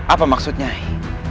apa maksudnya hei